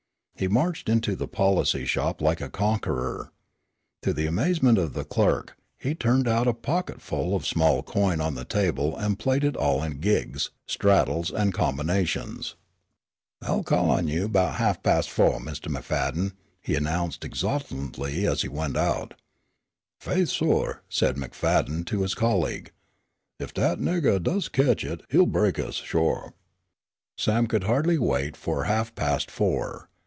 He marched into the policy shop like a conqueror. To the amazement of the clerk, he turned out a pocketful of small coin on the table and played it all in "gigs," "straddles and combinations." "I'll call on you about ha' pas' fou', Mr. McFadden," he announced exultantly as he went out. "Faith, sor," said McFadden to his colleague, "if that nagur does ketch it he'll break us, sure." Sam could hardly wait for half past four.